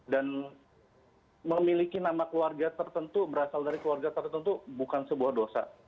dan memiliki nama keluarga tertentu berasal dari keluarga tertentu bukan sebuah dosa